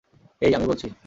এই, আমি বলছি!